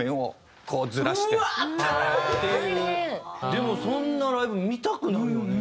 でもそんなライブ見たくなるよね。